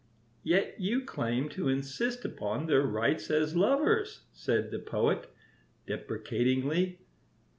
"Yet you claim to insist upon their rights as lovers," said the Poet, deprecatingly.